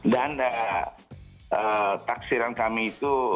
dan taksiran kami itu